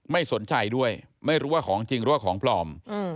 ไม่สนใจด้วยไม่รู้ว่าของจริงหรือว่าของปลอม